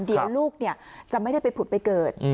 เดี๋ยวลูกจะไม่ได้ไปผุดไปเกิด